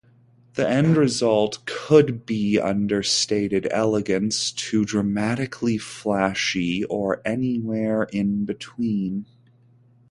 The end result could be understated elegance to dramatically flashy, or anywhere in between.